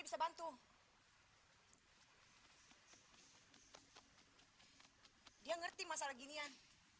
dia bantu dia ngerti masalah ginian